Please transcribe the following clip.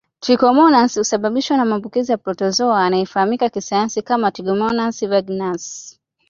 Trikomonasi husababishwa na maambukizi ya protozoa anayefahamika kisayansi kama trichomonas vaginalis